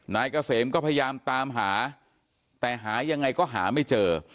นายเกษมก็พยายามตามหาแต่หายังไงก็หาไม่เจอ